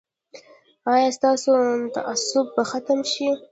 ایا ستاسو تعصب به ختم وي؟